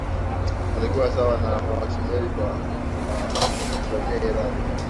walikuwa sawa na Wasumeri wa Mesopotamia Iraq